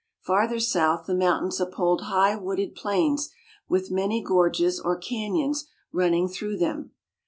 Farther south the mountains uphold high wooded plains with many gorges or canyons running through them.